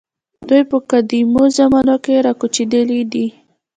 دوی په قدیمو زمانو کې راکوچېدلي دي.